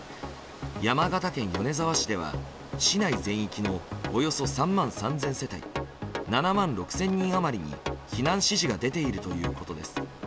山形県米沢市では市内全域のおよそ３万３０００世帯７万６０００人余りに避難指示が出ているということです。